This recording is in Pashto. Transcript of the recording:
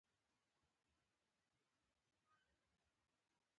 پیسې مې له کالیو سره ګنډلې وې.